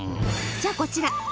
じゃあこちら。